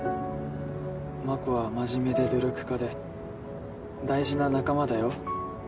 真心は真面目で努力家で大事な仲間だよ。